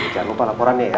jangan lupa laporan ya ya